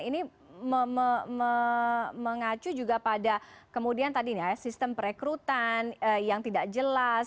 ini mengacu juga pada kemudian tadi sistem perekrutan yang tidak jelas